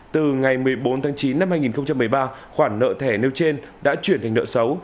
từ ngày một mươi bốn tháng chín năm hai nghìn một mươi ba khoản nợ thẻ nêu trên đã chuyển thành nợ xấu